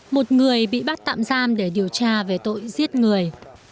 một người bị bắt tạm giam để điều tra về tội giết người